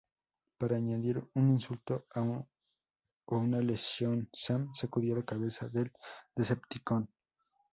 Para añadir un insulto a una lesión, Sam sacudió la cabeza del Decepticon.